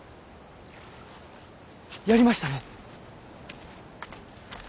やりましたね。